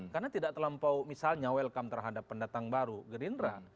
karena tidak terlampau misalnya welcome terhadap pendatang baru gerindra